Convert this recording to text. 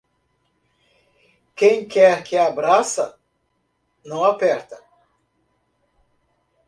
Quem quer que abraça, não aperta.